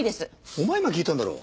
お前が聞いたんだろう。